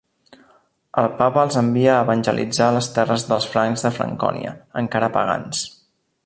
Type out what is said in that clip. El papa els envia a evangelitzar les terres dels francs de Francònia, encara pagans.